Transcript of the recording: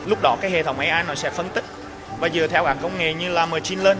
lúc đó cái hệ thống ai nó sẽ phân tích và dựa theo các công nghệ như là machine learn